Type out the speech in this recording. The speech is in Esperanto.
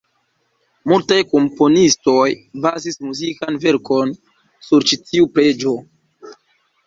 Multaj komponistoj bazis muzikan verkon sur ĉi tiu preĝo.